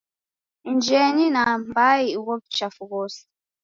Injenyi na mbai ugho w'uchafu ghose.